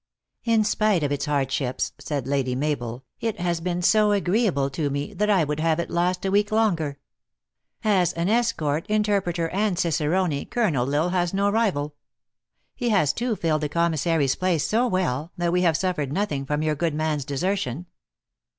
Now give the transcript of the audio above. " In spite of its hardships," said Lady Mabel, " it has been so agreeable to me, that I would have it last a week longer. As an escort, interpreter, and cicer one, Colonel L Isle has no rival. He has, too, filled the commissary s place so well, that we have suffered nothing from your good man s desertion."